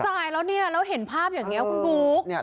อุ๊ยตายแล้วแล้วเห็นภาพอย่างนี้คุณบุ๊ก